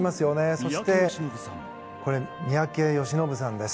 そして三宅義信さんです。